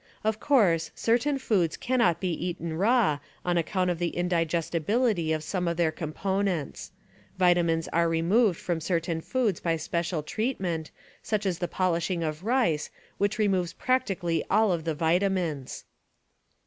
Of course, certain foods cannot be eaten raw on account of the indi gestibility of some of their components. Vitamins are removed from certain foods by special treatment, such as the polishing of rice, which removes practically all of the vitamins.